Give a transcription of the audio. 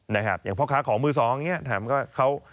นะครับอย่างพ่อค้าของมือ๒อย่างนี้ถามก็ว่าเขา